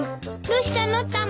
どうしたのタマ。